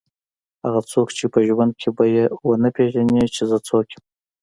هغه څوک چې په ژوند کې به یې ونه پېژني چې زه څوک یم.